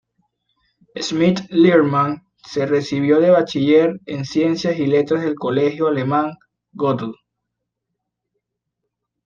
Schmidt-Liermann se recibió de Bachiller en Ciencias y Letras del Colegio alemán Goethe.